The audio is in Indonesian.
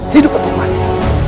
hidup atau mati